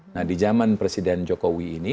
nah di zaman presiden jokowi ini